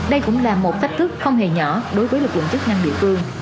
đây cũng là một thách thức không hề nhỏ đối với lực lượng chức năng địa phương